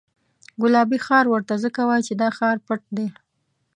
ګلابي ښار ورته ځکه وایي چې دا ښار پټ دی.